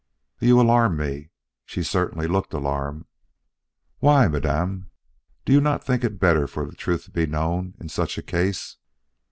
"You alarm me!" She certainly looked alarmed. "Why, madam? Do you not think it better for the truth to be known in such a case?"